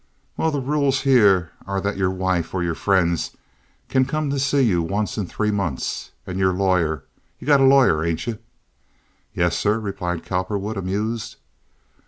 "Well, the rules here are that your wife or your friends kin come to see you once in three months, and your lawyer—you gotta lawyer hain't yuh?" "Yes, sir," replied Cowperwood, amused.